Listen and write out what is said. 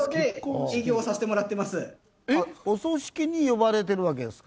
お葬式に呼ばれてるわけですか？